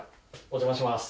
お邪魔します。